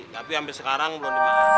tapi mpe sekarang belom dimaafin